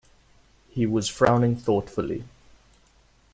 He was frowning thoughtfully.